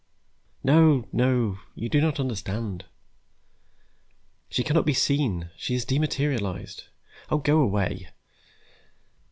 "No, no. You do not understand. She cannot be seen, she has dematerialized. Oh, go away.